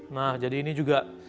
nah jadi ini juga